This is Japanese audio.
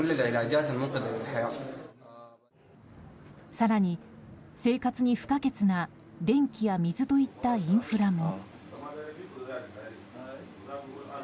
更に、生活に不可欠な電気や水といったインフラも。